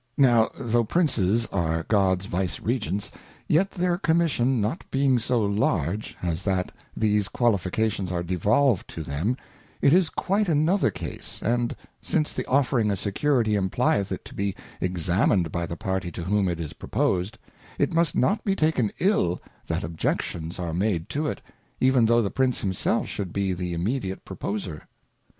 Now though Princes are God's Vicegerents, yet their Com mission not being so large, as that these Qualifications are devolved to them, it is quite another case, and since the offering' a Security implyeth it to be examined by the party to whom it; is proposed, it must not be taken ill that Objections are made to it, even though the Prince himself should be the immediate . Proposer.